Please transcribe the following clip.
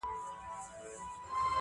د هوی و های د محفلونو د شرنګاه لوري.